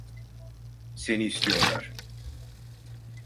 Seni istiyorlar.